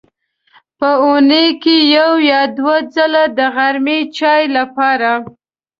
په اوونۍ کې یو یا دوه ځله د غرمې چای لپاره.